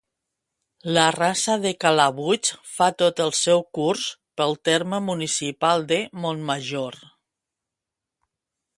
La Rasa de Calabuig fa tot el seu curs pel terme municipal de Montmajor.